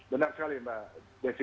benar sekali mbak desi